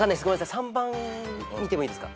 ３番見てもいいですか？